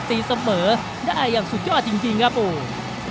ตีเสมอได้อย่างสุดยอดจริงครับโอ้